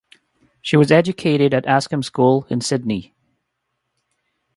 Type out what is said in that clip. She was educated at Ascham School in Sydney.